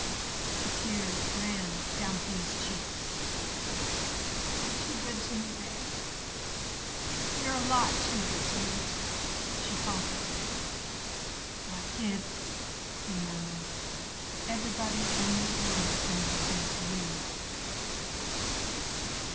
The tears ran down Thea's cheeks. "You're too good to me, Ray. You're a lot too good to me," she faltered. "Why, kid," he murmured, "everybody in this world's going to be good to you!"